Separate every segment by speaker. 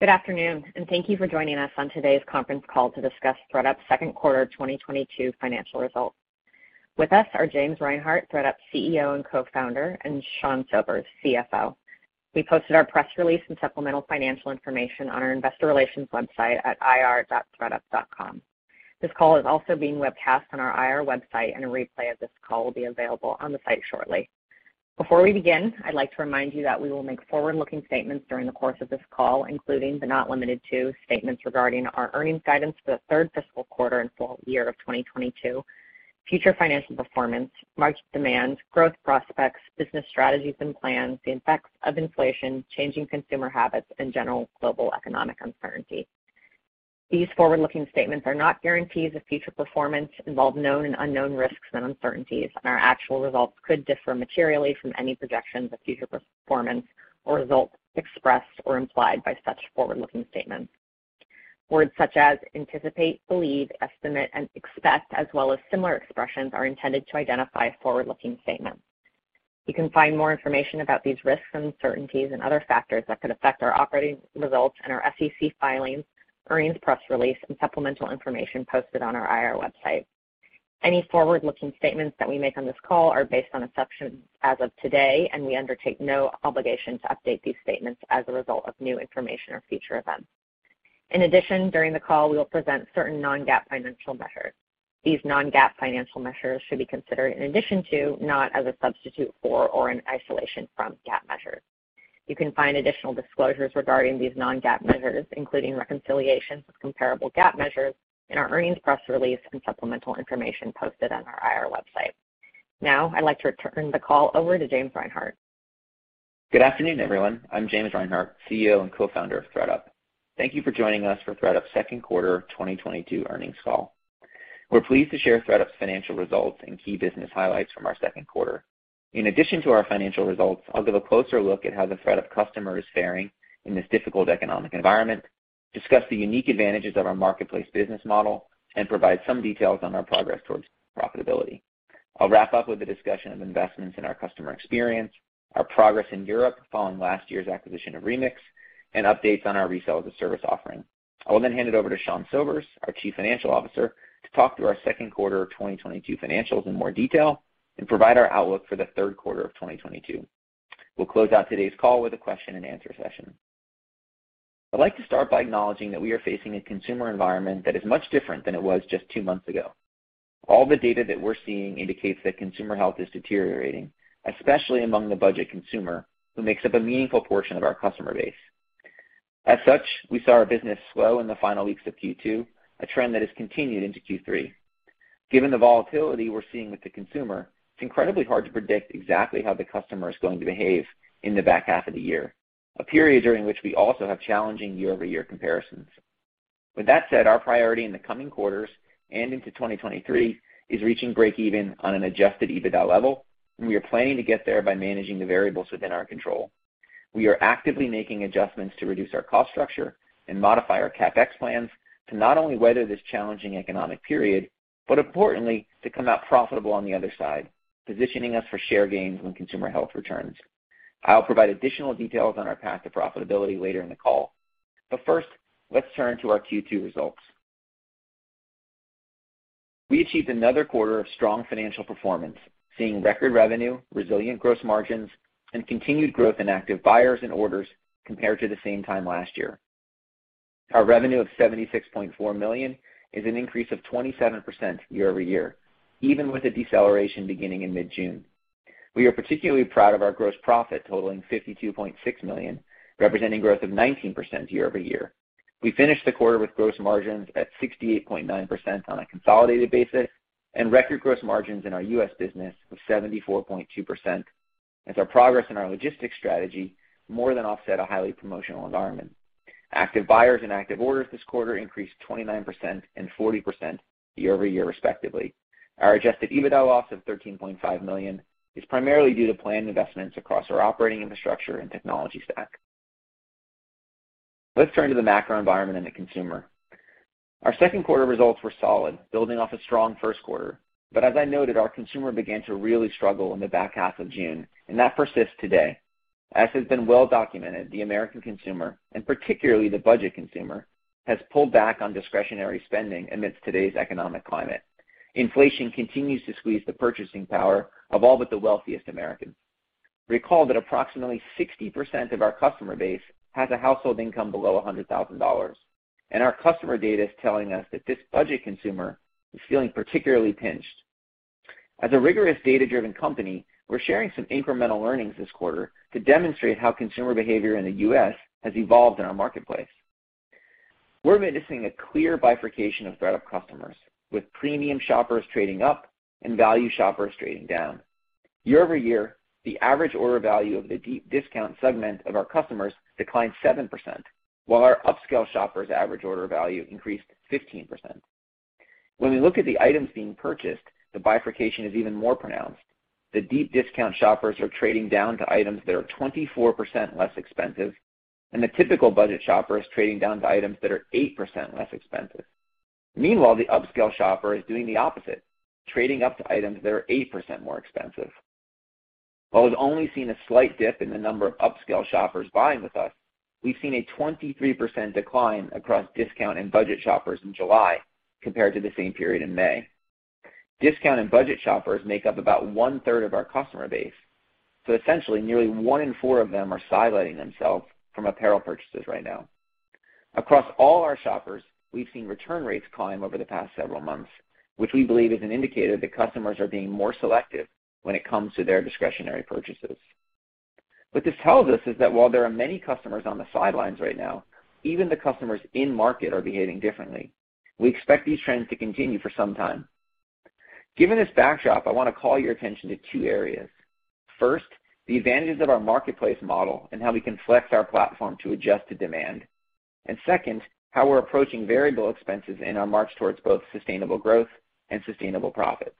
Speaker 1: Good afternoon, and thank you for joining us on today's conference call to discuss ThredUp's second quarter 2022 financial results. With us are James Reinhart, ThredUp's CEO and co-founder, and Sean Sobers, CFO. We posted our press release and supplemental financial information on our investor relations website at ir.thredup.com. This call is also being webcast on our IR website, and a replay of this call will be available on the site shortly. Before we begin, I'd like to remind you that we will make forward-looking statements during the course of this call, including but not limited to, statements regarding our earnings guidance for the third fiscal quarter and full year of 2022, future financial performance, market demand, growth prospects, business strategies and plans, the effects of inflation, changing consumer habits, and general global economic uncertainty. These forward-looking statements are not guarantees of future performance, involve known and unknown risks and uncertainties, and our actual results could differ materially from any projections of future performance or results expressed or implied by such forward-looking statements. Words such as anticipate, believe, estimate, and expect, as well as similar expressions, are intended to identify forward-looking statements. You can find more information about these risks and uncertainties and other factors that could affect our operating results in our SEC filings, earnings press release, and supplemental information posted on our IR website. Any forward-looking statements that we make on this call are based on assumptions as of today, and we undertake no obligation to update these statements as a result of new information or future events. In addition, during the call, we will present certain non-GAAP financial measures. These non-GAAP financial measures should be considered in addition to, not as a substitute for or in isolation from, GAAP measures. You can find additional disclosures regarding these non-GAAP measures, including reconciliations with comparable GAAP measures, in our earnings press release and supplemental information posted on our IR website. Now, I'd like to turn the call over to James Reinhart.
Speaker 2: Good afternoon, everyone. I'm James Reinhart, CEO and co-founder of ThredUp. Thank you for joining us for ThredUp's second quarter of 2022 earnings call. We're pleased to share ThredUp's financial results and key business highlights from our second quarter. In addition to our financial results, I'll give a closer look at how the ThredUp customer is faring in this difficult economic environment, discuss the unique advantages of our marketplace business model, and provide some details on our progress towards profitability. I'll wrap up with a discussion of investments in our customer experience, our progress in Europe following last year's acquisition of Remix, and updates on our Resale-as-a-Service offering. I will then hand it over to Sean Sobers, our chief financial officer, to talk through our second quarter of 2022 financials in more detail and provide our outlook for the third quarter of 2022. We'll close out today's call with a question and answer session. I'd like to start by acknowledging that we are facing a consumer environment that is much different than it was just two months ago. All the data that we're seeing indicates that consumer health is deteriorating, especially among the budget consumer, who makes up a meaningful portion of our customer base. As such, we saw our business slow in the final weeks of Q2, a trend that has continued into Q3. Given the volatility we're seeing with the consumer, it's incredibly hard to predict exactly how the customer is going to behave in the back half of the year, a period during which we also have challenging year-over-year comparisons. With that said, our priority in the coming quarters and into 2023 is reaching breakeven on an adjusted EBITDA level, and we are planning to get there by managing the variables within our control. We are actively making adjustments to reduce our cost structure and modify our CapEx plans to not only weather this challenging economic period, but importantly, to come out profitable on the other side, positioning us for share gains when consumer health returns. I'll provide additional details on our path to profitability later in the call. First, let's turn to our Q2 results. We achieved another quarter of strong financial performance, seeing record revenue, resilient gross margins, and continued growth in active buyers and orders compared to the same time last year. Our revenue of $76.4 million is an increase of 27% year-over-year, even with a deceleration beginning in mid-June. We are particularly proud of our gross profit totaling $52.6 million, representing growth of 19% year-over-year. We finished the quarter with gross margins at 68.9% on a consolidated basis and record gross margins in our U.S. business of 74.2% as our progress in our logistics strategy more than offset a highly promotional environment. Active buyers and active orders this quarter increased 29% and 40% year-over-year respectively. Our adjusted EBITDA loss of $13.5 million is primarily due to planned investments across our operating infrastructure and technology stack. Let's turn to the macro environment and the consumer. Our second quarter results were solid, building off a strong first quarter. As I noted, our consumer began to really struggle in the back half of June, and that persists today. As has been well documented, the American consumer, and particularly the budget consumer, has pulled back on discretionary spending amidst today's economic climate. Inflation continues to squeeze the purchasing power of all but the wealthiest Americans. Recall that approximately 60% of our customer base has a household income below $100,000, and our customer data is telling us that this budget consumer is feeling particularly pinched. As a rigorous data-driven company, we're sharing some incremental learnings this quarter to demonstrate how consumer behavior in the U.S. has evolved in our marketplace. We're witnessing a clear bifurcation of ThredUp customers, with premium shoppers trading up and value shoppers trading down. Year over year, the average order value of the deep discount segment of our customers declined 7%, while our upscale shoppers' average order value increased 15%. When we look at the items being purchased, the bifurcation is even more pronounced. The deep discount shoppers are trading down to items that are 24% less expensive, and the typical budget shopper is trading down to items that are 8% less expensive. Meanwhile, the upscale shopper is doing the opposite, trading up to items that are 8% more expensive. While we've only seen a slight dip in the number of upscale shoppers buying with us, we've seen a 23% decline across discount and budget shoppers in July compared to the same period in May. Discount and budget shoppers make up about 1/3 of our customer base. Essentially, nearly one in four of them are sidelining themselves from apparel purchases right now. Across all our shoppers, we've seen return rates climb over the past several months, which we believe is an indicator that customers are being more selective when it comes to their discretionary purchases. What this tells us is that while there are many customers on the sidelines right now, even the customers in market are behaving differently. We expect these trends to continue for some time. Given this backdrop, I want to call your attention to two areas. First, the advantages of our marketplace model and how we can flex our platform to adjust to demand. Second, how we're approaching variable expenses in our march towards both sustainable growth and sustainable profits.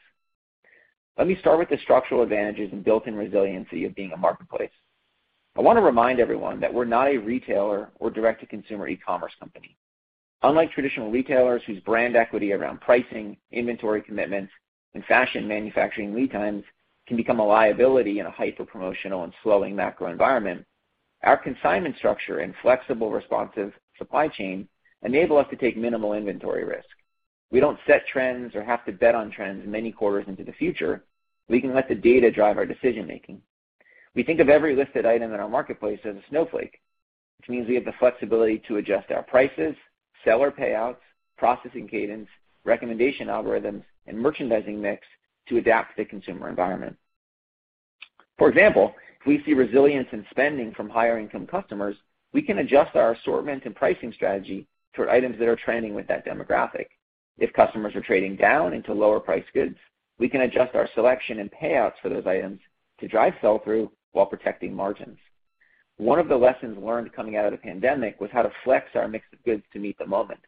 Speaker 2: Let me start with the structural advantages and built-in resiliency of being a marketplace. I want to remind everyone that we're not a retailer or direct-to-consumer e-commerce company. Unlike traditional retailers whose brand equity around pricing, inventory commitments, and fashion manufacturing lead times can become a liability in a hyper-promotional and slowing macro environment, our consignment structure and flexible, responsive supply chain enable us to take minimal inventory risk. We don't set trends or have to bet on trends many quarters into the future. We can let the data drive our decision-making. We think of every listed item in our marketplace as a snowflake, which means we have the flexibility to adjust our prices, seller payouts, processing cadence, recommendation algorithms, and merchandising mix to adapt to the consumer environment. For example, if we see resilience in spending from higher-income customers, we can adjust our assortment and pricing strategy toward items that are trending with that demographic. If customers are trading down into lower-priced goods, we can adjust our selection and payouts for those items to drive sell-through while protecting margins. One of the lessons learned coming out of the pandemic was how to flex our mix of goods to meet the moment.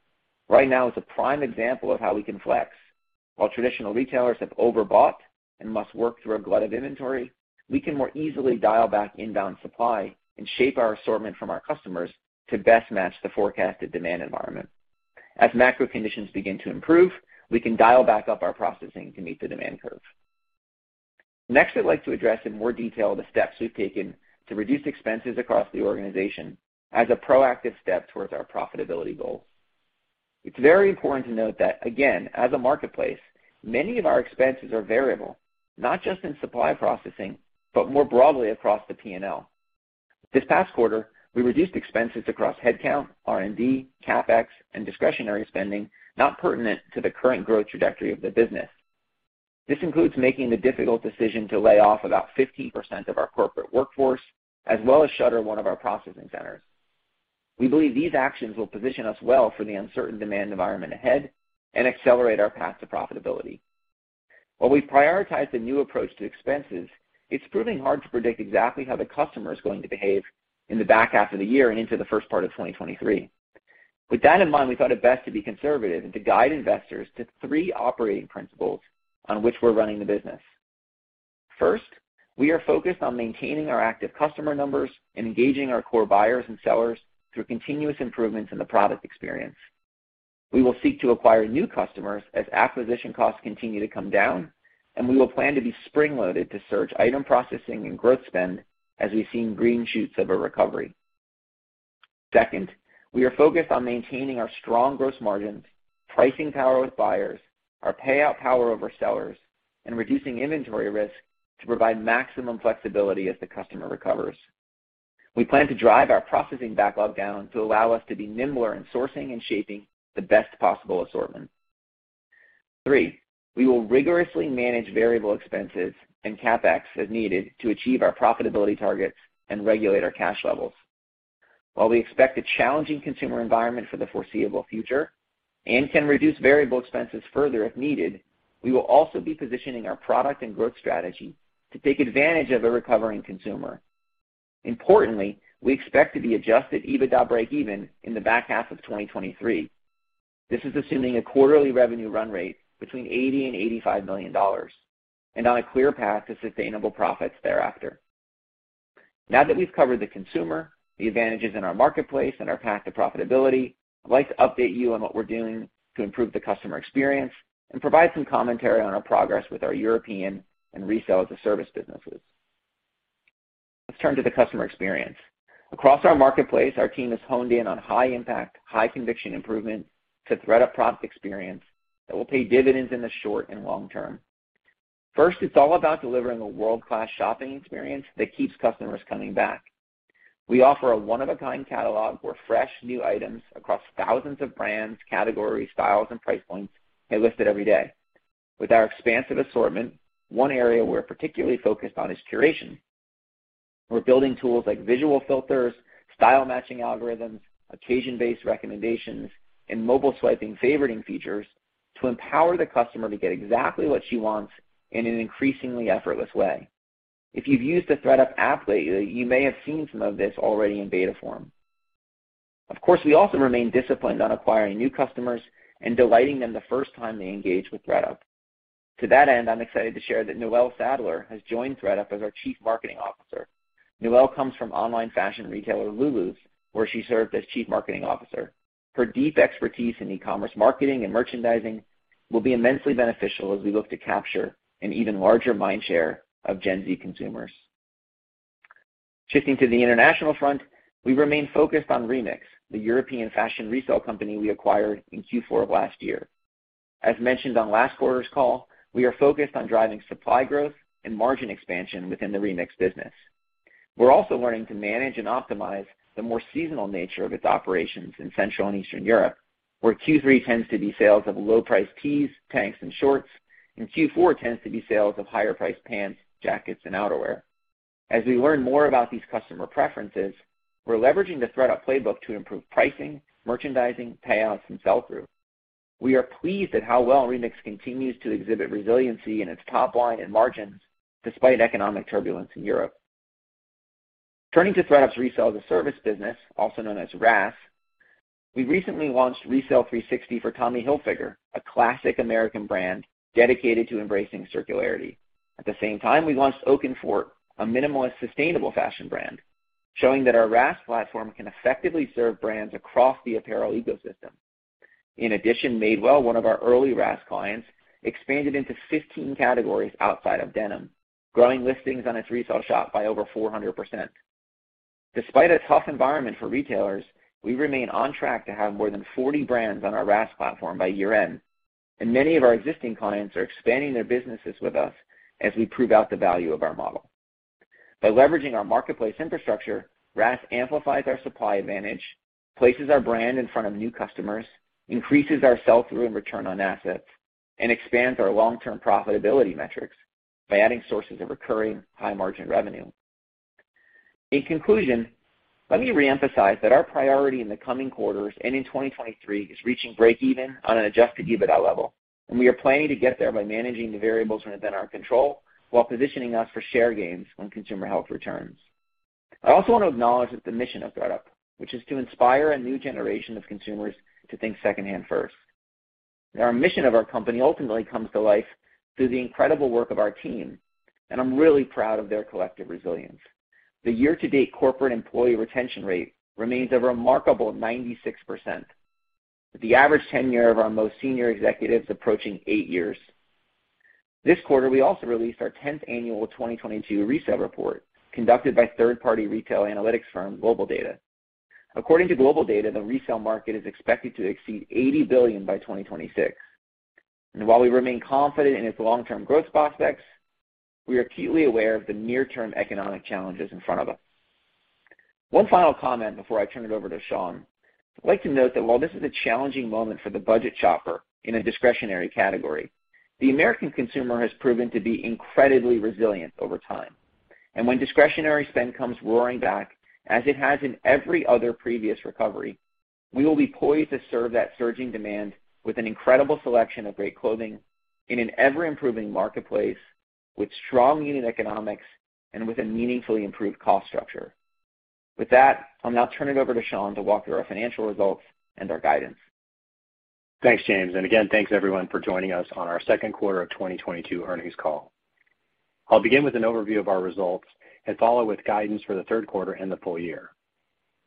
Speaker 2: Right now is a prime example of how we can flex. While traditional retailers have overbought and must work through a glut of inventory, we can more easily dial back inbound supply and shape our assortment from our customers to best match the forecasted demand environment. As macro conditions begin to improve, we can dial back up our processing to meet the demand curve. Next, I'd like to address in more detail the steps we've taken to reduce expenses across the organization as a proactive step towards our profitability goal. It's very important to note that, again, as a marketplace, many of our expenses are variable, not just in supply processing, but more broadly across the P&L. This past quarter, we reduced expenses across headcount, R&D, CapEx, and discretionary spending not pertinent to the current growth trajectory of the business. This includes making the difficult decision to lay off about 15% of our corporate workforce, as well as shutter one of our processing centers. We believe these actions will position us well for the uncertain demand environment ahead and accelerate our path to profitability. While we've prioritized a new approach to expenses, it's proving hard to predict exactly how the customer is going to behave in the back half of the year and into the first part of 2023. With that in mind, we thought it best to be conservative and to guide investors to three operating principles on which we're running the business. First, we are focused on maintaining our active customer numbers and engaging our core buyers and sellers through continuous improvements in the product experience. We will seek to acquire new customers as acquisition costs continue to come down, and we will plan to be spring-loaded to surge item processing and growth spend as we've seen green shoots of a recovery. Second, we are focused on maintaining our strong gross margins, pricing power with buyers, our payout power over sellers, and reducing inventory risk to provide maximum flexibility as the customer recovers. We plan to drive our processing backlog down to allow us to be nimbler in sourcing and shaping the best possible assortment. Three, we will rigorously manage variable expenses and CapEx as needed to achieve our profitability targets and regulate our cash levels. While we expect a challenging consumer environment for the foreseeable future and can reduce variable expenses further if needed, we will also be positioning our product and growth strategy to take advantage of a recovering consumer. Importantly, we expect to be adjusted EBITDA breakeven in the back half of 2023. This is assuming a quarterly revenue run rate between $80 million and $85 million, and on a clear path to sustainable profits thereafter. Now that we've covered the consumer, the advantages in our marketplace, and our path to profitability, I'd like to update you on what we're doing to improve the customer experience and provide some commentary on our progress with our European and Resale-as-a-Service businesses. Let's turn to the customer experience. Across our marketplace, our team has honed in on high-impact, high-conviction improvement to ThredUp product experience that will pay dividends in the short and long term. First, it's all about delivering a world-class shopping experience that keeps customers coming back. We offer a one-of-a-kind catalog where fresh, new items across thousands of brands, categories, styles, and price points get listed every day. With our expansive assortment, one area we're particularly focused on is curation. We're building tools like visual filters, style matching algorithms, occasion-based recommendations, and mobile swiping favoriting features to empower the customer to get exactly what she wants in an increasingly effortless way. If you've used the ThredUp app lately, you may have seen some of this already in beta form. Of course, we also remain disciplined on acquiring new customers and delighting them the first time they engage with ThredUp. To that end, I'm excited to share that Noelle Sadler has joined ThredUp as our Chief Marketing Officer. Noelle comes from online fashion retailer Lulus, where she served as Chief Marketing Officer. Her deep expertise in e-commerce marketing and merchandising will be immensely beneficial as we look to capture an even larger mind share of Gen Z consumers. Shifting to the international front, we remain focused on Remix, the European fashion resale company we acquired in Q4 of last year. As mentioned on last quarter's call, we are focused on driving supply growth and margin expansion within the Remix business. We're also learning to manage and optimize the more seasonal nature of its operations in Central and Eastern Europe, where Q3 tends to be sales of low-priced tees, tanks, and shorts, and Q4 tends to be sales of higher priced pants, jackets, and outerwear. As we learn more about these customer preferences, we're leveraging the ThredUp playbook to improve pricing, merchandising, payouts, and sell-through. We are pleased at how well Remix continues to exhibit resiliency in its top line and margins despite economic turbulence in Europe. Turning to ThredUp's Resale as a Service business, also known as RaaS, we recently launched Resale 360 for Tommy Hilfiger, a classic American brand dedicated to embracing circularity. At the same time, we launched Oak + Fort, a minimalist, sustainable fashion brand, showing that our RaaS platform can effectively serve brands across the apparel ecosystem. In addition, Madewell, one of our early RaaS clients, expanded into 15 categories outside of denim, growing listings on its resale shop by over 400%. Despite a tough environment for retailers, we remain on track to have more than 40 brands on our RaaS platform by year-end, and many of our existing clients are expanding their businesses with us as we prove out the value of our model. By leveraging our marketplace infrastructure, RaaS amplifies our supply advantage, places our brand in front of new customers, increases our sell-through and return on assets, and expands our long-term profitability metrics by adding sources of recurring high margin revenue. In conclusion, let me reemphasize that our priority in the coming quarters and in 2023 is reaching break even on an adjusted EBITDA level, and we are planning to get there by managing the variables within our control while positioning us for share gains when consumer health returns. I also want to acknowledge that the mission of ThredUp, which is to inspire a new generation of consumers to think secondhand first. Our mission of our company ultimately come to life through the incredible work of our team, and I'm really proud of their collective resilience. The year-to-date corporate employee retention rate remains a remarkable 96%. The average tenure of our most senior executives approaching eight years. This quarter, we also released our 10th annual 2022 resale report, conducted by third-party retail analytics firm GlobalData. According to GlobalData, the resale market is expected to exceed $80 billion by 2026. While we remain confident in its long-term growth prospects, we are acutely aware of the near-term economic challenges in front of us. One final comment before I turn it over to Sean. I'd like to note that while this is a challenging moment for the budget shopper in a discretionary category, the American consumer has proven to be incredibly resilient over time. When discretionary spend comes roaring back, as it has in every other previous recovery, we will be poised to serve that surging demand with an incredible selection of great clothing in an ever-improving marketplace with strong unit economics and with a meaningfully improved cost structure. With that, I'll now turn it over to Sean to walk through our financial results and our guidance.
Speaker 3: Thanks, James. Again, thanks everyone for joining us on our second quarter of 2022 earnings call. I'll begin with an overview of our results and follow with guidance for the third quarter and the full year.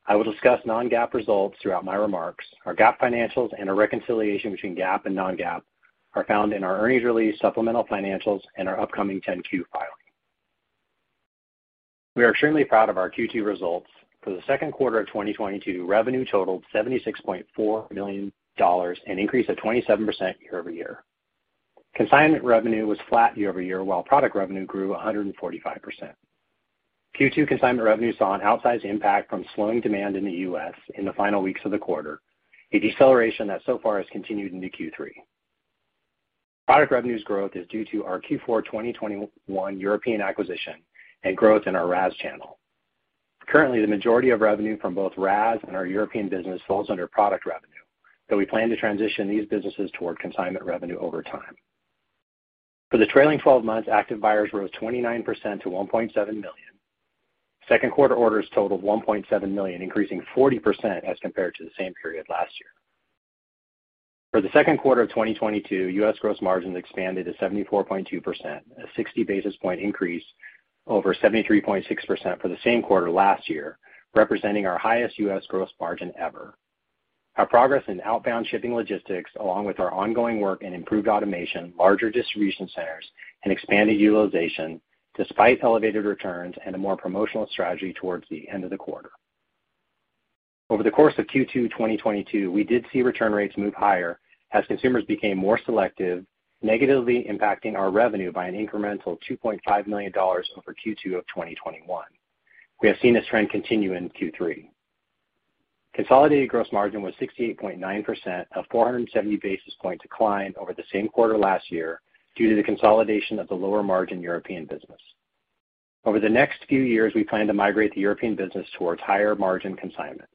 Speaker 3: I will discuss non-GAAP results throughout my remarks. Our GAAP financials and a reconciliation between GAAP and non-GAAP are found in our earnings release, supplemental financials, and our upcoming 10-Q filing. We are extremely proud of our Q2 results. For the second quarter of 2022, revenue totaled $76.4 million, an increase of 27% year over year. Consignment revenue was flat year over year, while product revenue grew 145%. Q2 consignment revenue saw an outsized impact from slowing demand in the U.S. in the final weeks of the quarter, a deceleration that so far has continued into Q3. Product revenues growth is due to our Q4 2021 European acquisition and growth in our RaaS channel. Currently, the majority of revenue from both RaaS and our European business falls under product revenue, though we plan to transition these businesses toward consignment revenue over time. For the trailing twelve months, active buyers rose 29% to 1.7 million. Second quarter orders totaled 1.7 million, increasing 40% as compared to the same period last year. For the second quarter of 2022, U.S. gross margins expanded to 74.2%, a 60 basis point increase over 73.6% for the same quarter last year, representing our highest U.S. gross margin ever. Our progress in outbound shipping logistics, along with our ongoing work in improved automation, larger distribution centers, and expanded utilization despite elevated returns and a more promotional strategy towards the end of the quarter. Over the course of Q2 2022, we did see return rates move higher as consumers became more selective, negatively impacting our revenue by an incremental $2.5 million over Q2 of 2021. We have seen this trend continue in Q3. Consolidated gross margin was 68.9%, a 470 basis point decline over the same quarter last year due to the consolidation of the lower margin European business. Over the next few years, we plan to migrate the European business towards higher margin consignment.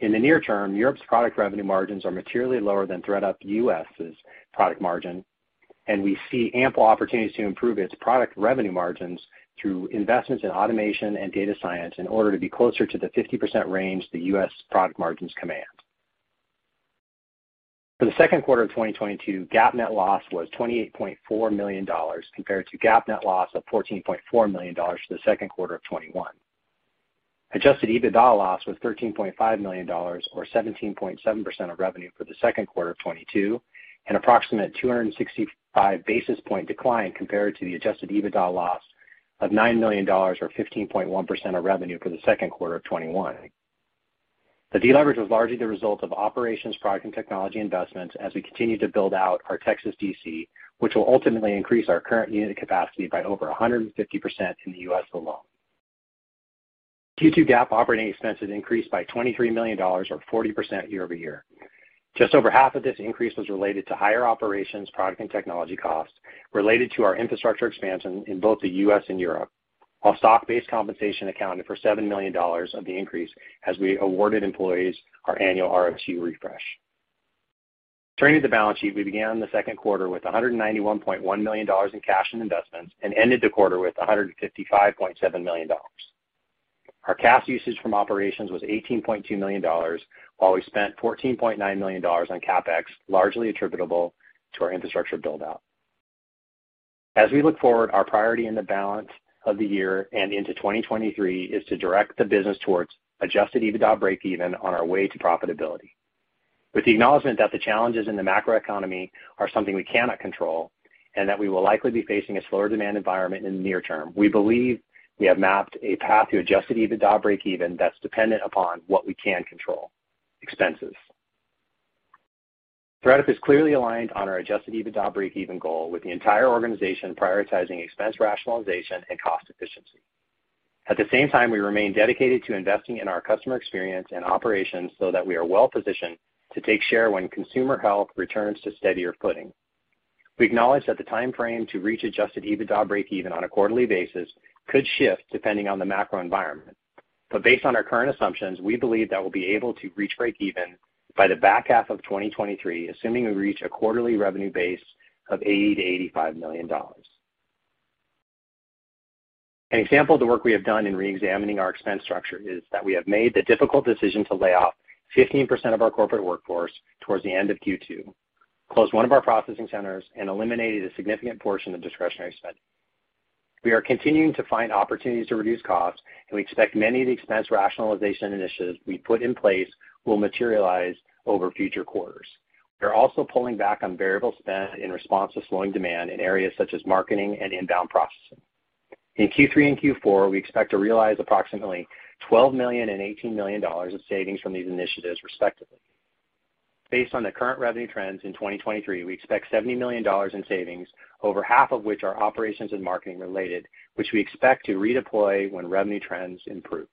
Speaker 3: In the near term, Europe's product revenue margins are materially lower than ThredUp U.S.'s product margin, and we see ample opportunities to improve its product revenue margins through investments in automation and data science in order to be closer to the 50% range the U.S. product margins command. For the second quarter of 2022, GAAP net loss was $28.4 million compared to GAAP net loss of $14.4 million for the second quarter of 2021. Adjusted EBITDA loss was $13.5 million or 17.7% of revenue for the second quarter of 2022, an approximate 265 basis points decline compared to the adjusted EBITDA loss of $9 million or 15.1% of revenue for the second quarter of 2021. The deleverage was largely the result of operations, product, and technology investments as we continue to build out our Texas DC, which will ultimately increase our current unit capacity by over 150% in the U.S. alone. Q2 GAAP operating expenses increased by $23 million or 40% year-over-year. Just over half of this increase was related to higher operations, product, and technology costs related to our infrastructure expansion in both the U.S. and Europe, while stock-based compensation accounted for $7 million of the increase as we awarded employees our annual RSU refresh. Turning to the balance sheet, we began the second quarter with $191.1 million in cash and investments and ended the quarter with $155.7 million. Our cash usage from operations was $18.2 million, while we spent $14.9 million on CapEx, largely attributable to our infrastructure build-out. As we look forward, our priority in the balance of the year and into 2023 is to direct the business towards adjusted EBITDA breakeven on our way to profitability. With the acknowledgement that the challenges in the macroeconomy are something we cannot control and that we will likely be facing a slower demand environment in the near term, we believe we have mapped a path to adjusted EBITDA breakeven that's dependent upon what we can control, expenses. ThredUp is clearly aligned on our adjusted EBITDA breakeven goal, with the entire organization prioritizing expense rationalization and cost efficiency. At the same time, we remain dedicated to investing in our customer experience and operations so that we are well-positioned to take share when consumer health returns to steadier footing. We acknowledge that the timeframe to reach adjusted EBITDA breakeven on a quarterly basis could shift depending on the macro environment. Based on our current assumptions, we believe that we'll be able to reach breakeven by the back half of 2023, assuming we reach a quarterly revenue base of $80 million-$85 million. An example of the work we have done in re-examining our expense structure is that we have made the difficult decision to lay off 15% of our corporate workforce towards the end of Q2, closed one of our processing centers, and eliminated a significant portion of discretionary spend. We are continuing to find opportunities to reduce costs, and we expect many of the expense rationalization initiatives we put in place will materialize over future quarters. We are also pulling back on variable spend in response to slowing demand in areas such as marketing and inbound processing. In Q3 and Q4, we expect to realize approximately $12 million and $18 million of savings from these initiatives respectively. Based on the current revenue trends in 2023, we expect $70 million in savings, over half of which are operations and marketing related, which we expect to redeploy when revenue trends improve.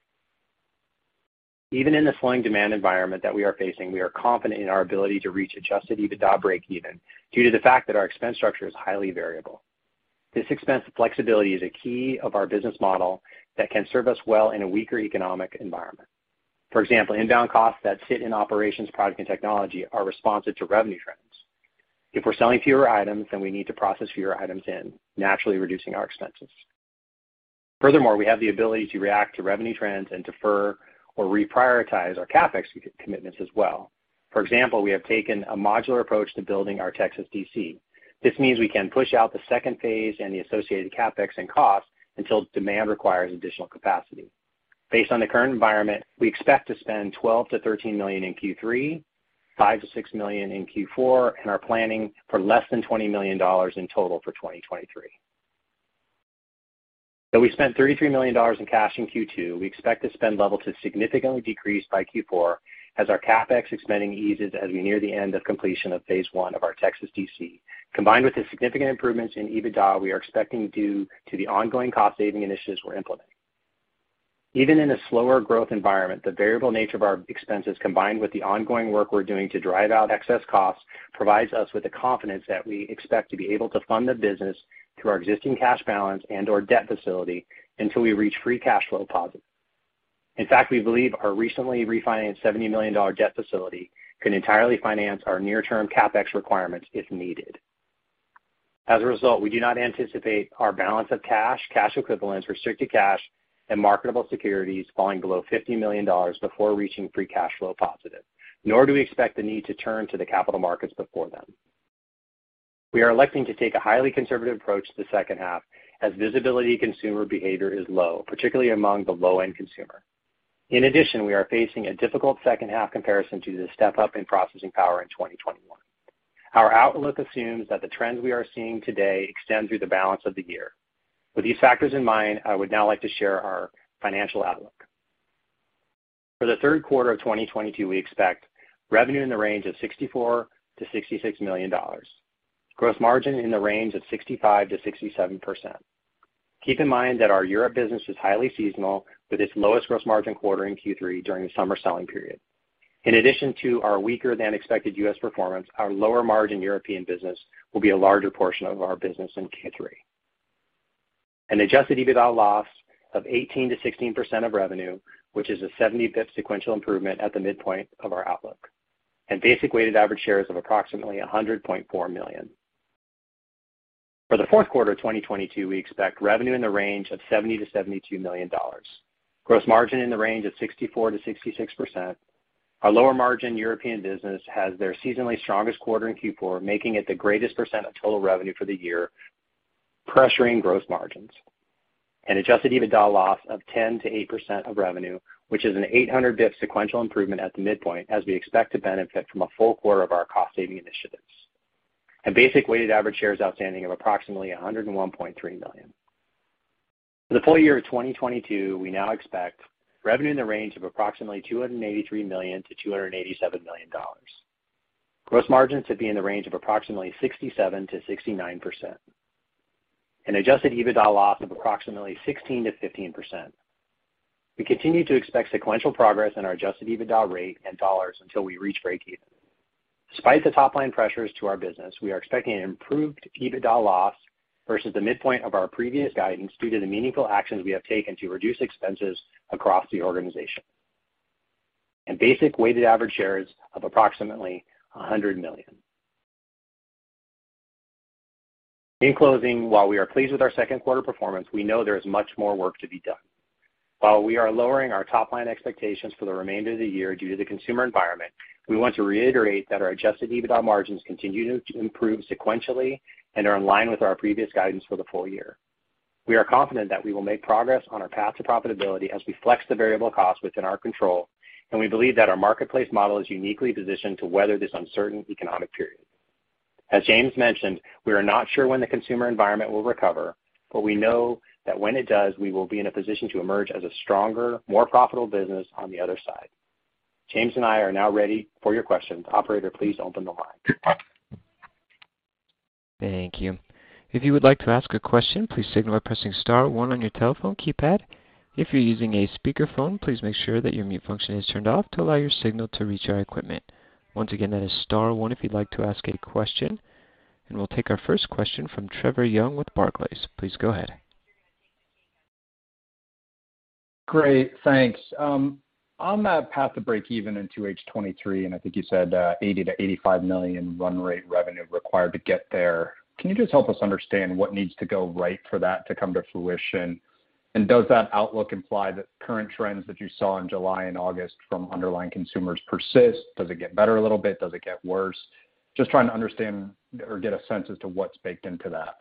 Speaker 3: Even in the slowing demand environment that we are facing, we are confident in our ability to reach adjusted EBITDA breakeven due to the fact that our expense structure is highly variable. This expense flexibility is a key of our business model that can serve us well in a weaker economic environment. For example, inbound costs that sit in operations, product, and technology are responsive to revenue trends. If we're selling fewer items, then we need to process fewer items in, naturally reducing our expenses. Furthermore, we have the ability to react to revenue trends and defer or reprioritize our CapEx commitments as well. For example, we have taken a modular approach to building our Texas DC. This means we can push out the second phase and the associated CapEx and costs until demand requires additional capacity. Based on the current environment, we expect to spend $12 million-$13 million in Q3, $5 million-$6 million in Q4, and are planning for less than $20 million in total for 2023. Though we spent $33 million in cash in Q2, we expect the spend level to significantly decrease by Q4 as our CapEx spending eases as we near the end of completion of phase one of our Texas DC, combined with the significant improvements in EBITDA we are expecting due to the ongoing cost-saving initiatives we're implementing. Even in a slower growth environment, the variable nature of our expenses, combined with the ongoing work we're doing to drive out excess costs, provides us with the confidence that we expect to be able to fund the business through our existing cash balance and/or debt facility until we reach free cash flow positive. In fact, we believe our recently refinanced $70 million debt facility can entirely finance our near-term CapEx requirements if needed. As a result, we do not anticipate our balance of cash equivalents, restricted cash, and marketable securities falling below $50 million before reaching free cash flow positive, nor do we expect the need to turn to the capital markets before then. We are electing to take a highly conservative approach to the second half, as visibility into consumer behavior is low, particularly among the low-end consumer. In addition, we are facing a difficult second half comparison due to the step-up in processing power in 2021. Our outlook assumes that the trends we are seeing today extend through the balance of the year. With these factors in mind, I would now like to share our financial outlook. For the third quarter of 2022, we expect revenue in the range of $64 million-$66 million. Gross margin in the range of 65%-67%. Keep in mind that our Europe business is highly seasonal, with its lowest gross margin quarter in Q3 during the summer selling period. In addition to our weaker than expected U.S. performance, our lower margin European business will be a larger portion of our business in Q3. An adjusted EBITDA loss of 18%-16% of revenue, which is a 75th sequential improvement at the midpoint of our outlook. Basic weighted average shares of approximately 100.4 million. For the fourth quarter of 2022, we expect revenue in the range of $70-$72 million. Gross margin in the range of 64%-66%. Our lower margin European business has their seasonally strongest quarter in Q4, making it the greatest percent of total revenue for the year, pressuring gross margins. An adjusted EBITDA loss of 10%-8% of revenue, which is an 800 BPS sequential improvement at the midpoint as we expect to benefit from a full quarter of our cost-saving initiatives. Basic weighted average shares outstanding of approximately 101.3 million. For the full year of 2022, we now expect revenue in the range of approximately $283 million-$287 million. Gross margins to be in the range of approximately 67%-69%. An adjusted EBITDA loss of approximately 16%-15%. We continue to expect sequential progress in our adjusted EBITDA rate and dollars until we reach breakeven. Despite the top-line pressures to our business, we are expecting an improved EBITDA loss versus the midpoint of our previous guidance due to the meaningful actions we have taken to reduce expenses across the organization. Basic weighted average shares of approximately 100 million. In closing, while we are pleased with our second quarter performance, we know there is much more work to be done. While we are lowering our top-line expectations for the remainder of the year due to the consumer environment, we want to reiterate that our adjusted EBITDA margins continue to improve sequentially and are in line with our previous guidance for the full year. We are confident that we will make progress on our path to profitability as we flex the variable costs within our control, and we believe that our marketplace model is uniquely positioned to weather this uncertain economic period. As James mentioned, we are not sure when the consumer environment will recover, but we know that when it does, we will be in a position to emerge as a stronger, more profitable business on the other side. James and I are now ready for your questions. Operator, please open the line.
Speaker 4: Thank you. If you would like to ask a question, please signal by pressing star one on your telephone keypad. If you're using a speakerphone, please make sure that your mute function is turned off to allow your signal to reach our equipment. Once again, that is star one if you'd like to ask a question. We'll take our first question from Trevor Young with Barclays. Please go ahead.
Speaker 5: Great. Thanks. On that path to breakeven into H2 2023, and I think you said $80 million-$85 million run rate revenue required to get there, can you just help us understand what needs to go right for that to come to fruition? Does that outlook imply that current trends that you saw in July and August from underlying consumers persist? Does it get better a little bit? Does it get worse? Just trying to understand or get a sense as to what's baked into that.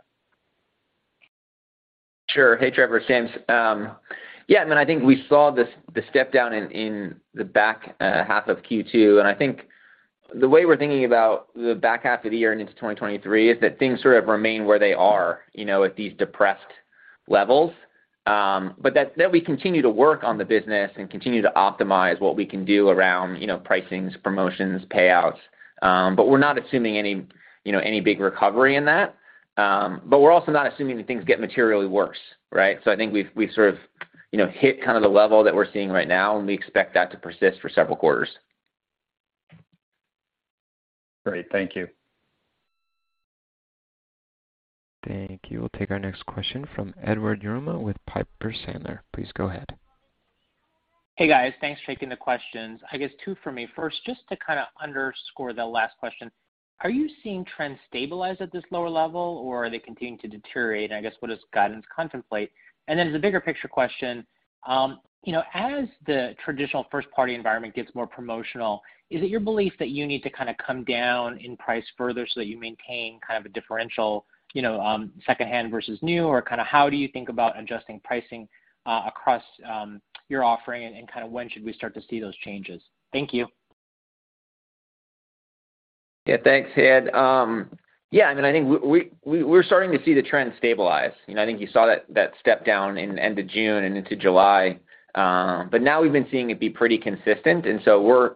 Speaker 2: Sure. Hey, Trevor. James. I mean, I think we saw this, the step down in the back half of Q2, and I think the way we're thinking about the back half of the year and into 2023 is that things sort of remain where they are, you know, at these depressed levels. But that we continue to work on the business and continue to optimize what we can do around, you know, pricings, promotions, payouts. But we're not assuming any, you know, any big recovery in that. But we're also not assuming that things get materially worse, right? I think we've sort of, you know, hit kind of the level that we're seeing right now, and we expect that to persist for several quarters.
Speaker 5: Great. Thank you.
Speaker 4: Thank you. We'll take our next question from Edward Yruma with Piper Sandler. Please go ahead.
Speaker 6: Hey, guys. Thanks for taking the questions. I guess two for me. First, just to kind of underscore the last question, are you seeing trends stabilize at this lower level, or are they continuing to deteriorate? I guess, what does guidance contemplate? As a bigger picture question, you know, as the traditional first-party environment gets more promotional, is it your belief that you need to kind of come down in price further so that you maintain kind of a differential, you know, secondhand versus new, or kind of how do you think about adjusting pricing across your offering, and kind of when should we start to see those changes? Thank you.
Speaker 2: Yeah. Thanks, Ed. Yeah. I mean, I think we're starting to see the trend stabilize. You know, I think you saw that step down in end of June and into July. Now we've been seeing it be pretty consistent, and so we're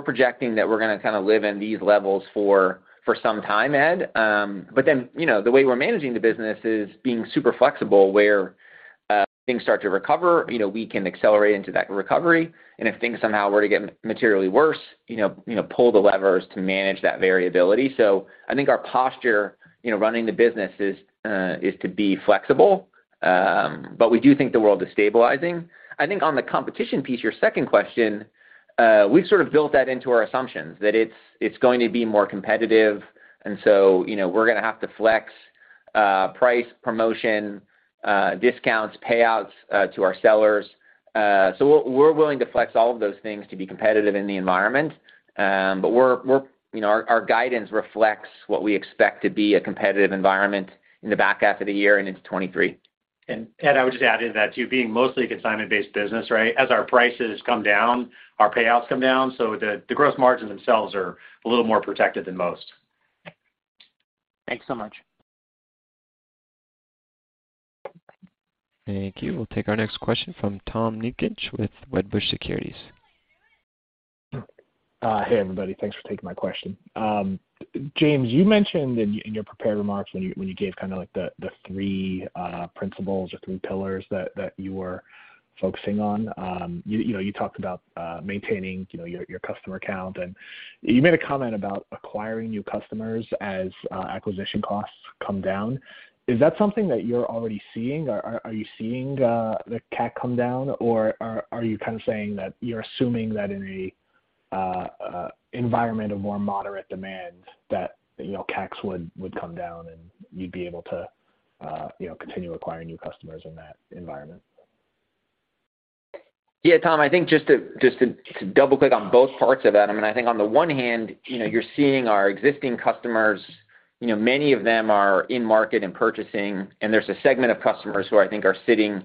Speaker 2: projecting that we're gonna kind of live in these levels for some time, Ed. Then, you know, the way we're managing the business is being super flexible, where things start to recover, you know, we can accelerate into that recovery. If things somehow were to get materially worse, you know, pull the levers to manage that variability. I think our posture, you know, running the business is to be flexible, but we do think the world is stabilizing. I think on the competition piece, your second question, we've sort of built that into our assumptions, that it's going to be more competitive. You know, we're gonna have to flex price, promotion, discounts, payouts to our sellers. You know, our guidance reflects what we expect to be a competitive environment in the back half of the year and into 2023.
Speaker 3: Ed, I would just add into that too. Being mostly a consignment-based business, right? As our prices come down, our payouts come down, so the gross margins themselves are a little more protected than most.
Speaker 6: Thanks so much.
Speaker 4: Thank you. We'll take our next question from Tom Nikic with Wedbush Securities.
Speaker 7: Hey everybody. Thanks for taking my question. James, you mentioned in your prepared remarks when you gave kind of like the three principles or three pillars that you were focusing on, you know, you talked about maintaining, you know, your customer count, and you made a comment about acquiring new customers as acquisition costs come down. Is that something that you're already seeing, or are you seeing the CAC come down, or are you kind of saying that you're assuming that in an environment of more moderate demand that you know CACs would come down and you'd be able to you know continue acquiring new customers in that environment?
Speaker 2: Yeah, Tom, I think just to double click on both parts of that, I mean, I think on the one hand, you know, you're seeing our existing customers, you know, many of them are in market and purchasing, and there's a segment of customers who I think are sitting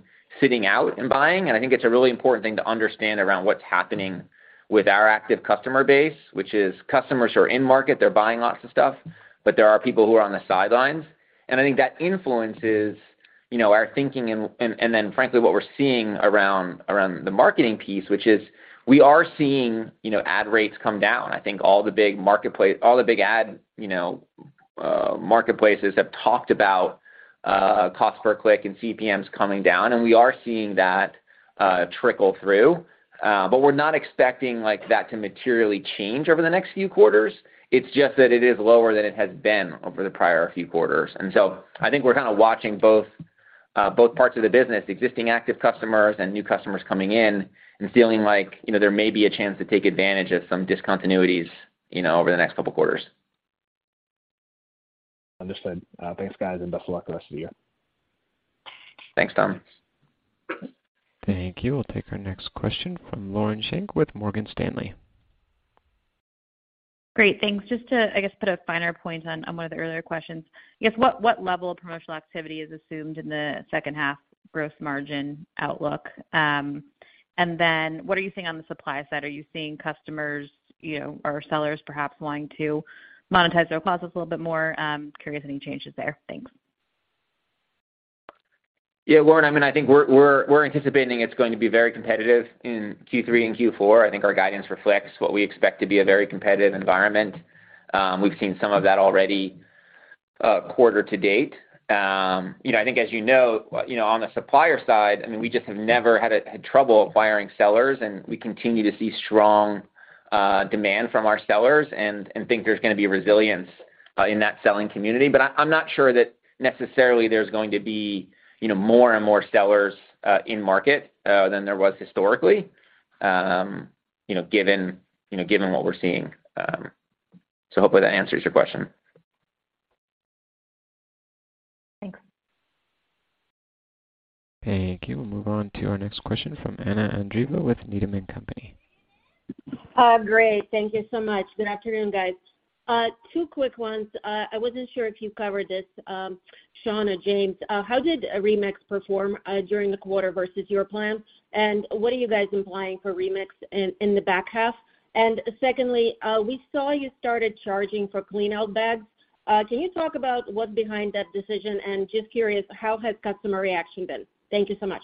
Speaker 2: out and buying. I think it's a really important thing to understand around what's happening with our active customer base, which is customers who are in market, they're buying lots of stuff, but there are people who are on the sidelines. I think that influences, you know, our thinking and then frankly, what we're seeing around the marketing piece, which is we are seeing, you know, ad rates come down. I think all the big ad, you know, marketplaces have talked about, cost per click and CPMs coming down, and we are seeing that, trickle through. We're not expecting like that to materially change over the next few quarters. It's just that it is lower than it has been over the prior few quarters. I think we're kind of watching both parts of the business, existing active customers and new customers coming in and feeling like, you know, there may be a chance to take advantage of some discontinuities, you know, over the next couple quarters.
Speaker 7: Understood. Thanks, guys, and best of luck the rest of the year.
Speaker 2: Thanks, Tom.
Speaker 4: Thank you. We'll take our next question from Lauren Schenk with Morgan Stanley.
Speaker 8: Great. Thanks. Just to, I guess, put a finer point on one of the earlier questions, I guess, what level of promotional activity is assumed in the second half gross margin outlook? And then what are you seeing on the supply side? Are you seeing customers, you know, or sellers perhaps wanting to monetize their closets a little bit more? Curious any changes there. Thanks.
Speaker 2: Yeah, Lauren, I mean, I think we're anticipating it's going to be very competitive in Q3 and Q4. I think our guidance reflects what we expect to be a very competitive environment. We've seen some of that already, quarter to date. I think as you know, on the supplier side, I mean, we just have never had trouble acquiring sellers, and we continue to see strong demand from our sellers and think there's gonna be resilience in that selling community. But I'm not sure that necessarily there's going to be more and more sellers in market than there was historically, you know, given what we're seeing. So hopefully that answers your question.
Speaker 8: Thanks.
Speaker 4: Thank you. We'll move on to our next question from Anna Andreeva with Needham & Company.
Speaker 9: Great. Thank you so much. Good afternoon, guys. Two quick ones. I wasn't sure if you covered this, Sean or James. How did Remix perform during the quarter versus your plan? What are you guys implying for Remix in the back half? Secondly, we saw you started charging for cleanout bags. Can you talk about what's behind that decision? Just curious, how has customer reaction been? Thank you so much.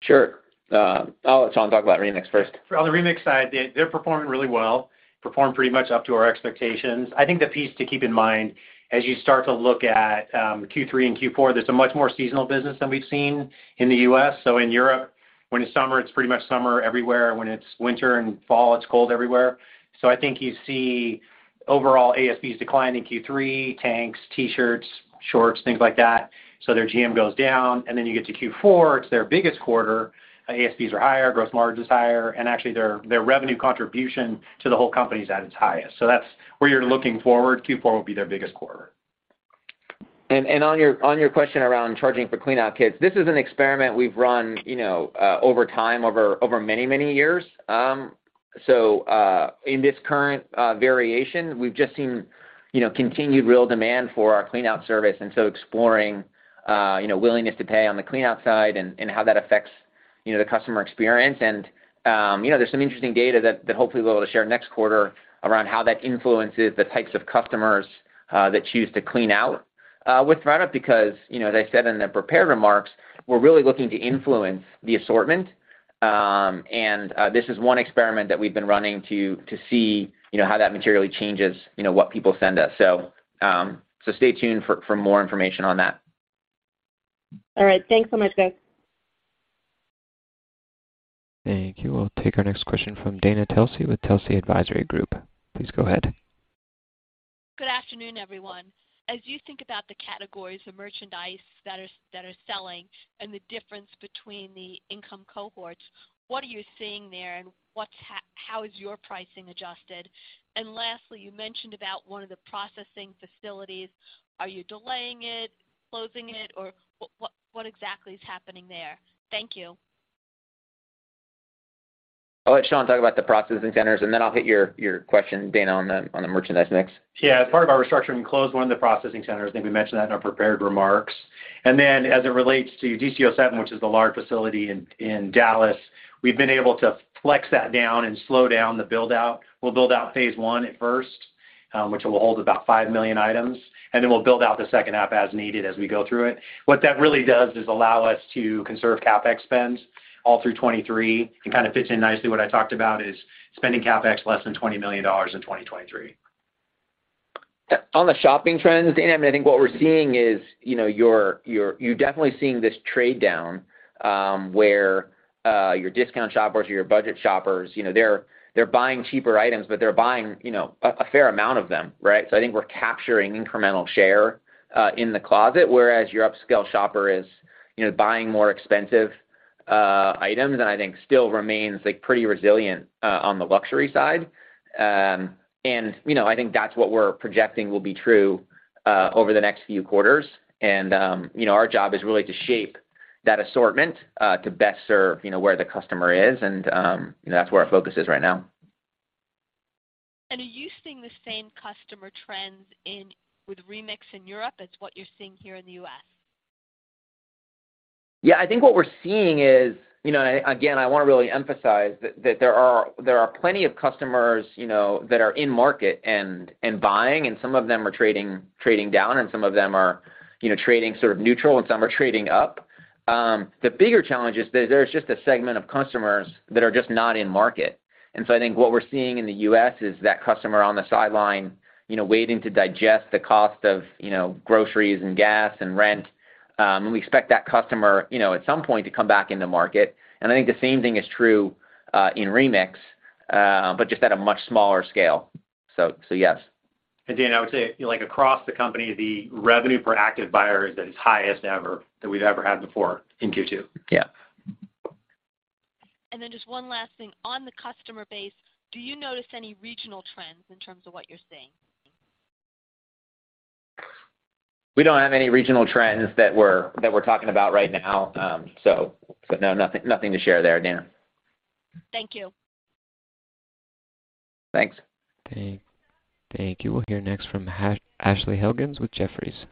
Speaker 2: Sure. I'll let Sean talk about Remix first.
Speaker 3: On the Remix side, they're performing really well. Performed pretty much up to our expectations. I think the piece to keep in mind as you start to look at Q3 and Q4, there's a much more seasonal business than we've seen in the U.S. In Europe, when it's summer, it's pretty much summer everywhere. When it's winter and fall, it's cold everywhere. I think you see overall ASPs decline in Q3, tanks, T-shirts, shorts, things like that. Their GM goes down, and then you get to Q4, it's their biggest quarter. ASPs are higher, gross margin's higher, and actually their revenue contribution to the whole company is at its highest. That's where you're looking forward. Q4 will be their biggest quarter.
Speaker 2: On your question around charging for clean out kits, this is an experiment we've run, you know, over time, over many years. In this current variation, we've just seen, you know, continued real demand for our clean out service, and so exploring, you know, willingness to pay on the clean out side and how that affects, you know, the customer experience. You know, there's some interesting data that hopefully we'll be able to share next quarter around how that influences the types of customers that choose to clean out with ThredUp because, you know, as I said in the prepared remarks, we're really looking to influence the assortment. This is one experiment that we've been running to see, you know, how that materially changes, you know, what people send us. Stay tuned for more information on that.
Speaker 9: All right. Thanks so much, guys.
Speaker 4: Thank you. We'll take our next question from Dana Telsey with Telsey Advisory Group. Please go ahead.
Speaker 10: Good afternoon, everyone. As you think about the categories of merchandise that are selling and the difference between the income cohorts, what are you seeing there, and how is your pricing adjusted? Lastly, you mentioned about one of the processing facilities. Are you delaying it, closing it, or what exactly is happening there? Thank you.
Speaker 2: I'll let Sean talk about the processing centers, and then I'll hit your question, Dana, on the merchandise mix.
Speaker 3: Yeah. As part of our restructuring, we closed one of the processing centers. I think we mentioned that in our prepared remarks. As it relates to DC-07, which is the large facility in Dallas, we've been able to flex that down and slow down the build-out. We'll build out phase one at first, which will hold about 5 million items, and then we'll build out the second half as needed as we go through it. What that really does is allow us to conserve CapEx spends all through 2023. It kind of fits in nicely what I talked about is spending CapEx less than $20 million in 2023.
Speaker 2: On the shopping trends, Dana, I think what we're seeing is, you know, you're definitely seeing this trade down, where your discount shoppers or your budget shoppers, you know, they're buying cheaper items, but they're buying, you know, a fair amount of them, right? I think we're capturing incremental share in the closet, whereas your upscale shopper is, you know, buying more expensive items, and I think still remains, like, pretty resilient on the luxury side. I think that's what we're projecting will be true over the next few quarters. Our job is really to shape that assortment to best serve, you know, where the customer is, and that's where our focus is right now.
Speaker 10: Are you seeing the same customer trends with Remix in Europe as what you're seeing here in the U.S.?
Speaker 2: Yeah, I think what we're seeing is, you know, again, I wanna really emphasize that there are plenty of customers, you know, that are in market and buying, and some of them are trading down, and some of them are, you know, trading sort of neutral, and some are trading up. The bigger challenge is there's just a segment of customers that are just not in market. I think what we're seeing in the U.S. is that customer on the sideline, you know, waiting to digest the cost of, you know, groceries and gas and rent. We expect that customer, you know, at some point to come back in the market. I think the same thing is true in Remix, but just at a much smaller scale. Yes.
Speaker 3: Dana, I would say, you know, like, across the company, the revenue per active buyer is the highest ever that we've ever had before in Q2.
Speaker 2: Yeah.
Speaker 10: Just one last thing. On the customer base, do you notice any regional trends in terms of what you're seeing?
Speaker 2: We don't have any regional trends that we're talking about right now. So, but no, nothing to share there, Dana.
Speaker 10: Thank you.
Speaker 2: Thanks.
Speaker 4: Thank you. We'll hear next from Ashley Helgans with Jefferies.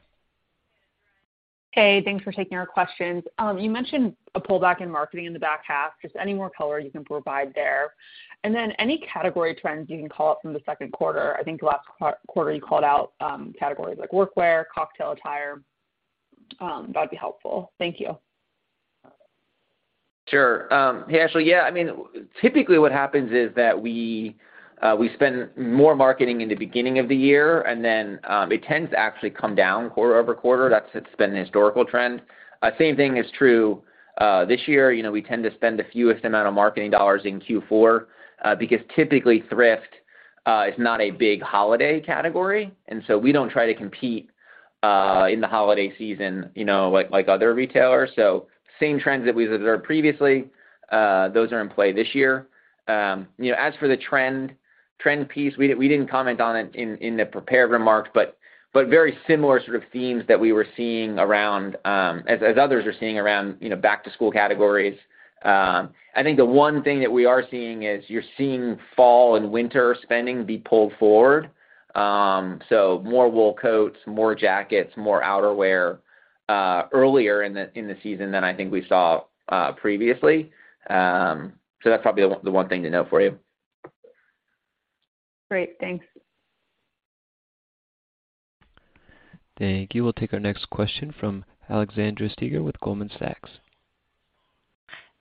Speaker 11: Hey, thanks for taking our questions. You mentioned a pullback in marketing in the back half. Just any more color you can provide there? Any category trends you can call out from the second quarter? I think last quarter you called out categories like work wear, cocktail attire. That'd be helpful. Thank you.
Speaker 2: Sure. Hey, Ashley. Yeah, I mean, typically what happens is that we spend more marketing in the beginning of the year, and then it tends to actually come down quarter-over-quarter. That's. It's been a historical trend. Same thing is true this year. You know, we tend to spend the fewest amount of marketing dollars in Q4, because typically thrift is not a big holiday category. We don't try to compete in the holiday season, you know, like other retailers. Same trends that we've observed previously, those are in play this year. You know, as for the trend piece, we didn't comment on it in the prepared remarks, but very similar sort of themes that we were seeing around, as others are seeing around, you know, back to school categories. I think the one thing that we are seeing is you're seeing fall and winter spending be pulled forward. So more wool coats, more jackets, more outerwear earlier in the season than I think we saw previously. That's probably the one thing to note for you.
Speaker 11: Great. Thanks.
Speaker 4: Thank you. We'll take our next question from Alexandra Steiger with Goldman Sachs.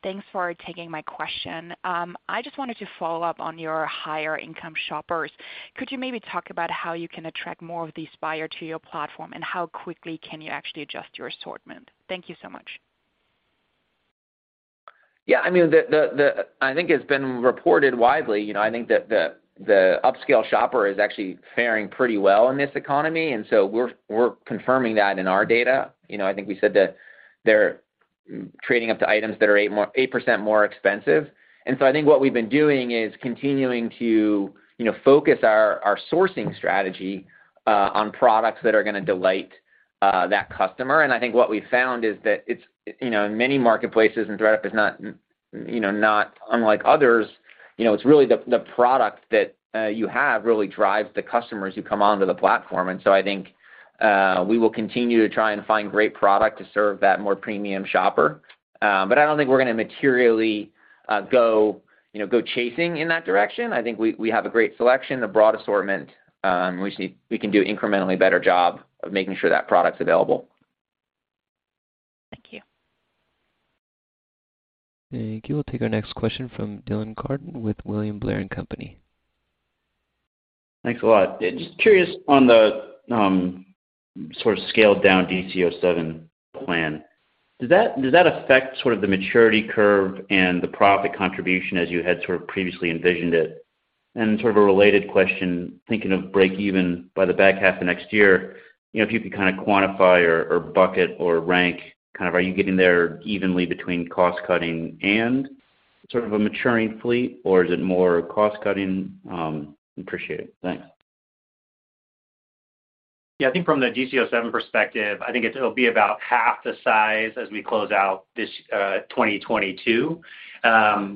Speaker 12: Thanks for taking my question. I just wanted to follow up on your higher income shoppers. Could you maybe talk about how you can attract more of these buyers to your platform, and how quickly can you actually adjust your assortment? Thank you so much.
Speaker 2: Yeah. I mean, I think it's been reported widely, you know, I think that the upscale shopper is actually faring pretty well in this economy, and so we're confirming that in our data. You know, I think we said that they're trading up to items that are 8% more expensive. I think what we've been doing is continuing to, you know, focus our sourcing strategy on products that are gonna delight that customer. I think what we've found is that it's, you know, in many marketplaces, and ThredUp is not, you know, not unlike others, you know, it's really the product that you have really drives the customers who come onto the platform. I think we will continue to try and find great product to serve that more premium shopper. I don't think we're gonna materially go, you know, chasing in that direction. I think we have a great selection, a broad assortment, we see we can do incrementally better job of making sure that product's available.
Speaker 12: Thank you.
Speaker 4: Thank you. We'll take our next question from Dylan Carden with William Blair & Company.
Speaker 13: Thanks a lot. Just curious on the sort of scaled down DC-07 plan. Does that affect sort of the maturity curve and the profit contribution as you had sort of previously envisioned it? Sort of a related question, thinking of break even by the back half of next year, you know, if you could kind of quantify or bucket or rank kind of are you getting there evenly between cost cutting and sort of a maturing fleet, or is it more cost cutting? Appreciate it. Thanks.
Speaker 3: Yeah. I think from the DC-07 perspective, it'll be about half the size as we close out this 2022.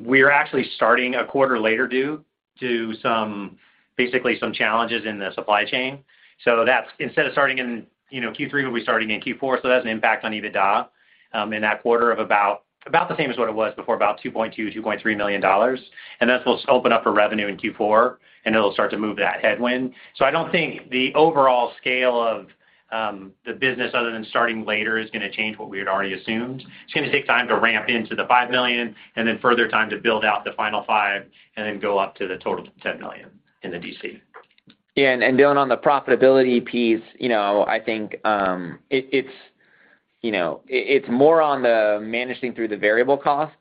Speaker 3: We're actually starting a quarter later due to basically some challenges in the supply chain. That's instead of starting in Q3. We'll be starting in Q4, so that has an impact on EBITDA in that quarter of about the same as what it was before, about $2.2-$2.3 million. That will open up for revenue in Q4, and it'll start to move that headwind. I don't think the overall scale of the business other than starting later is gonna change what we had already assumed. It's gonna take time to ramp into the 5 million, and then further time to build out the final and then go up to the total 10 million in the DC.
Speaker 2: Yeah, and Dylan, on the profitability piece, you know, I think it's, you know. It's more on the managing through the variable costs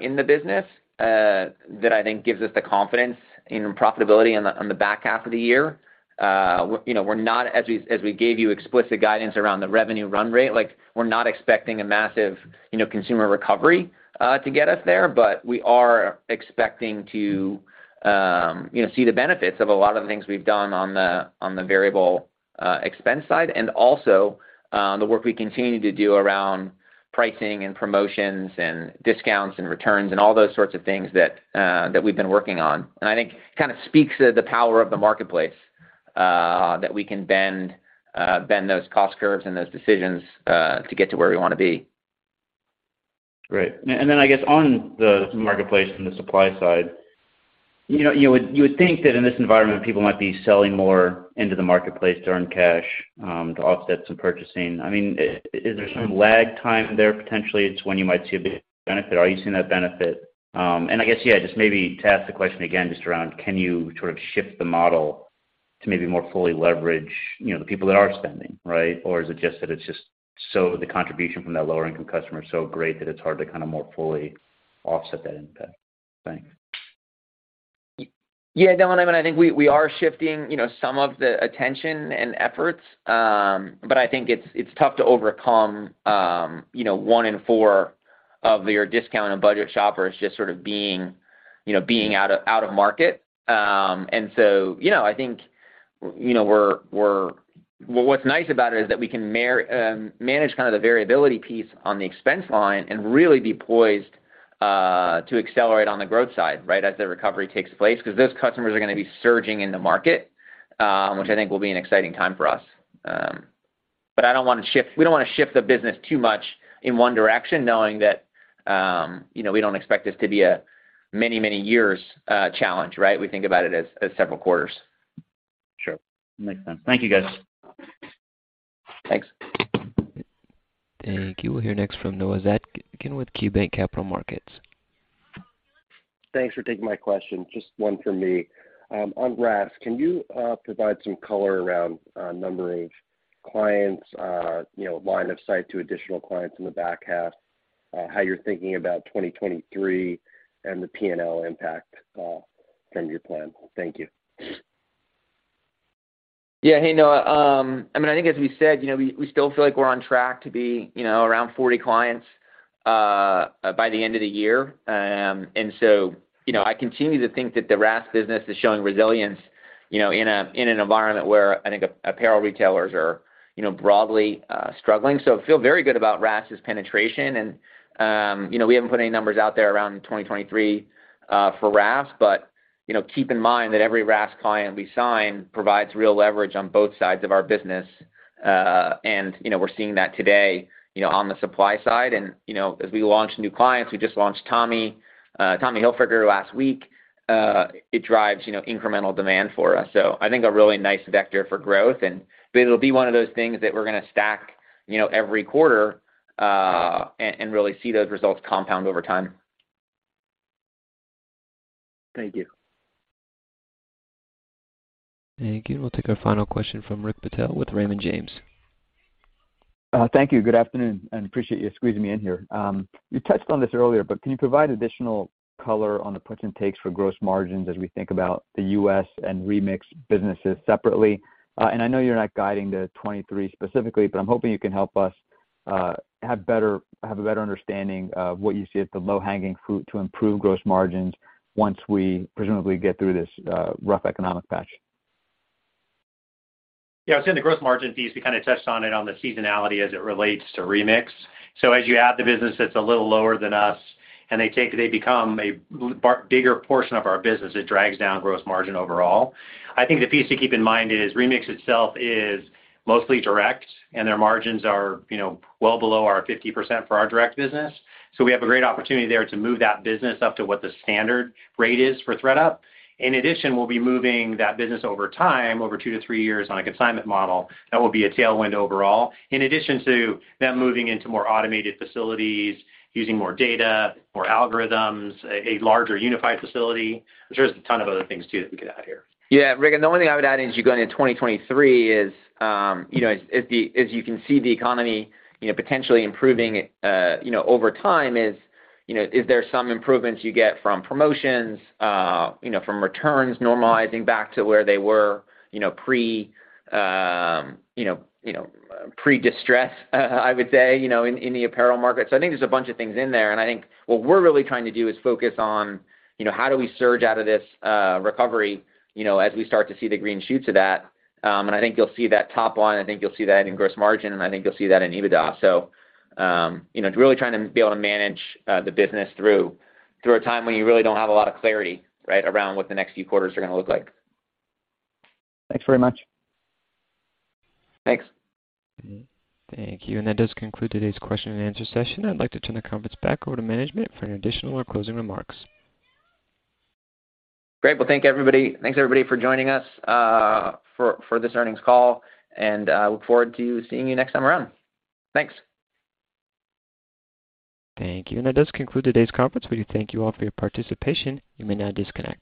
Speaker 2: in the business that I think gives us the confidence in profitability on the back half of the year. You know, we're not, as we gave you explicit guidance around the revenue run rate, like we're not expecting a massive, you know, consumer recovery to get us there. But we are expecting to, you know, see the benefits of a lot of the things we've done on the variable expense side and also the work we continue to do around pricing and promotions and discounts and returns and all those sorts of things that we've been working on. I think it kind of speaks to the power of the marketplace, that we can bend those cost curves and those decisions, to get to where we wanna be.
Speaker 13: Great. Then I guess on the marketplace and the supply side, you know, you would think that in this environment, people might be selling more into the marketplace to earn cash, to offset some purchasing. I mean, is there some lag time there potentially it's when you might see a big benefit. Are you seeing that benefit? I guess, yeah, just maybe to ask the question again, just around can you sort of shift the model to maybe more fully leverage, you know, the people that are spending, right? Or is it just that the contribution from that lower income customer is so great that it's hard to kind of more fully offset that impact, thanks.
Speaker 2: Yeah, Dylan, I mean, I think we are shifting, you know, some of the attention and efforts. But I think it's tough to overcome, you know, one in four of your discount and budget shoppers just sort of being, you know, out of market. So, you know, I think, you know, we're... Well, what's nice about it is that we can manage kind of the variability piece on the expense line and really be poised to accelerate on the growth side, right? As the recovery takes place, because those customers are gonna be surging in the market, which I think will be an exciting time for us. We don't wanna shift the business too much in one direction knowing that, you know, we don't expect this to be a many years challenge, right? We think about it as several quarters.
Speaker 13: Sure. Makes sense. Thank you, guys.
Speaker 2: Thanks.
Speaker 4: Thank you. We'll hear next from Noah Zatzkin with KeyBanc Capital Markets.
Speaker 14: Thanks for taking my question. Just one for me. On RaaS, can you provide some color around number of clients, you know, line of sight to additional clients in the back half, how you're thinking about 2023 and the P&L impact from your plan? Thank you.
Speaker 2: Yeah. Hey, Noah. I mean, I think as we said, you know, we still feel like we're on track to be, you know, around 40 clients by the end of the year. I continue to think that the RaaS business is showing resilience, you know, in an environment where I think apparel retailers are, you know, broadly struggling. Feel very good about RaaS's penetration. We haven't put any numbers out there around 2023 for RaaS, but, you know, keep in mind that every RaaS client we sign provides real leverage on both sides of our business. We're seeing that today, you know, on the supply side and, you know, as we launch new clients. We just launched Tommy Hilfiger last week. It drives, you know, incremental demand for us, so I think a really nice vector for growth. It'll be one of those things that we're gonna stack, you know, every quarter, and really see those results compound over time.
Speaker 14: Thank you.
Speaker 4: Thank you. We'll take our final question from Rick Patel with Raymond James.
Speaker 15: Thank you. Good afternoon, and appreciate you squeezing me in here. You touched on this earlier, but can you provide additional color on the puts and takes for gross margins as we think about the U.S. and Remix businesses separately? I know you're not guiding to 2023 specifically, but I'm hoping you can help us have a better understanding of what you see as the low-hanging fruit to improve gross margins once we presumably get through this rough economic patch.
Speaker 3: Yeah. I'd say on the gross margin piece, we kinda touched on it on the seasonality as it relates to Remix. As you add the business that's a little lower than us, and they become a bigger portion of our business, it drags down gross margin overall. I think the piece to keep in mind is Remix itself is mostly direct, and their margins are, you know, well below our 50% for our direct business. We have a great opportunity there to move that business up to what the standard rate is for ThredUp. In addition, we'll be moving that business over time, over 2-3 years on a consignment model. That will be a tailwind overall. In addition to them moving into more automated facilities, using more data, more algorithms, a larger unified facility. I'm sure there's a ton of other things too that we could add here.
Speaker 2: Yeah. Rick, the only thing I would add is as you go into 2023, as you can see the economy potentially improving over time, is there some improvements you get from promotions, from returns normalizing back to where they were pre-distress, I would say, in the apparel market. I think there's a bunch of things in there, and I think what we're really trying to do is focus on how do we surge out of this recovery as we start to see the green shoots of that. I think you'll see that top line, I think you'll see that in gross margin, and I think you'll see that in EBITDA. you know, it's really trying to be able to manage the business through a time when you really don't have a lot of clarity, right, around what the next few quarters are gonna look like.
Speaker 15: Thanks very much.
Speaker 3: Thanks.
Speaker 4: Thank you. That does conclude today's question and answer session. I'd like to turn the conference back over to management for any additional or closing remarks.
Speaker 2: Great. Well, thank you, everybody. Thanks, everybody, for joining us for this earnings call, and look forward to seeing you next time around. Thanks.
Speaker 4: Thank you. That does conclude today's conference. We thank you all for your participation. You may now disconnect.